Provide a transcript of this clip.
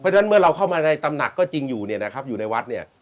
เพราะฉะนั้นเมื่อเราเข้ามาในตำหนักก็จริงอยู่เนี่ยนะครับอยู่ในวัดเนี่ย